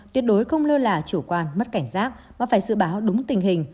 tuyệt đối không lơ là chủ quan mất cảnh giác và phải dự báo đúng tình hình